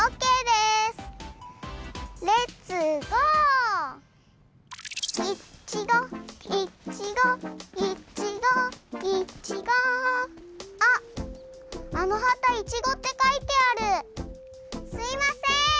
すいません！